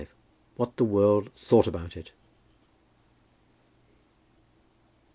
WHAT THE WORLD THOUGHT ABOUT IT.